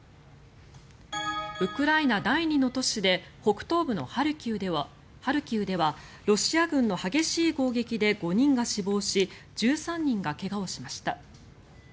ウクライナ第２の都市で北東部のハルキウではロシア軍の激しい攻撃で５人が死亡し１３人が怪我をしました。